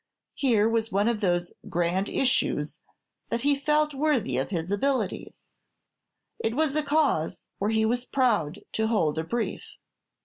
Here was one of those "grand issues" that he felt worthy of his abilities, it was a cause where he was proud to hold a brief.